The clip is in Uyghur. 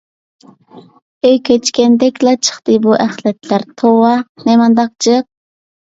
ئۆي كۆچكەندەكلا چىقتى بۇ ئەخلەتلەر. توۋا نېمانداق جىق!